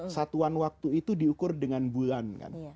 satuan waktu itu diukur dengan bulan kan